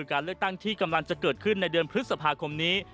การเลือกตั้งที่กำลังจะเกิดขึ้นในเดือนพฤษภาคมนี้